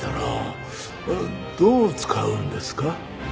どう使うんですか？